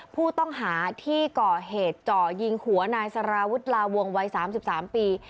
ผู้ต้องหาที่ก่อเหตุจ่อยิงหัวนายสารวุฒิลาวงวัย๓๓ปี